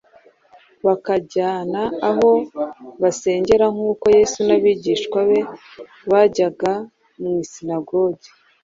bakajyana aho basengera nk’uko Yesu n’abigishwa be bajyaga mu isinagogi